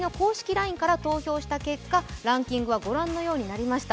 ＬＩＮＥから投票した結果、ランキングはご覧のようになりました。